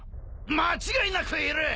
間違いなくいる。